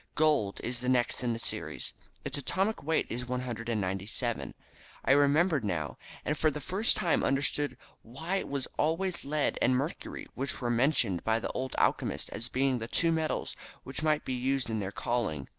Gold is the next in the series. Its atomic weight is 197. I remembered now, and for the first time understood why it was always lead and mercury winch were mentioned by the old alchemists as being the two metals which might be used in their calling.